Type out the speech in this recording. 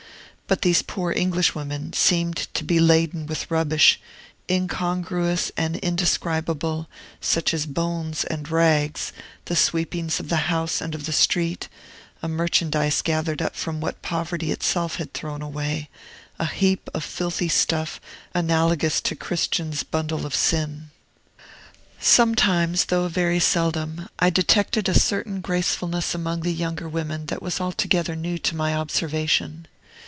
But these poor English women seemed to be laden with rubbish, incongruous and indescribable, such as bones and rags, the sweepings of the house and of the street, a merchandise gathered up from what poverty itself had thrown away, a heap of filthy stuff analogous to Christian's bundle of sin. Sometimes, though very seldom, I detected a certain gracefulness among the younger women that was altogether new to my observation.